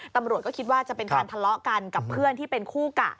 ตำรวจก็คิดว่าจะเป็นการทะเลาะกันกับเพื่อนที่เป็นคู่กะ